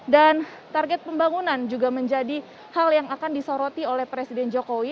dan target pembangunan juga menjadi hal yang akan disoroti oleh presiden jokowi